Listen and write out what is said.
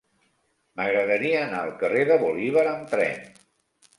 M'agradaria anar al carrer de Bolívar amb tren.